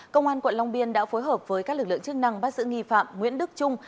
công an quận long biên đã phối hợp với các lực lượng chức năng bắt giữ nghi phạm nguyễn đức trung